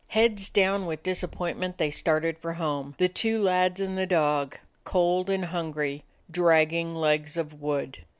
Heads down with disappointment, they started for home, the two lads and the dog, cold and hungry, dragging legs of wood.